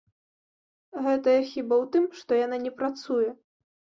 Гэтая хіба ў тым, што яна не працуе.